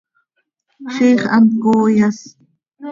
¡Ziix hant cooyas!